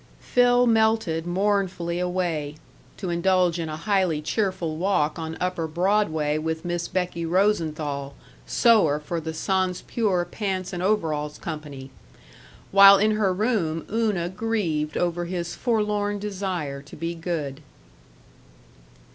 Phil melted mournfully away to indulge in a highly cheerful walk on upper Broadway with Miss Becky Rosenthal, sewer for the Sans Peur Pants and Overalls Company while in her room Una grieved over his forlorn desire to be good.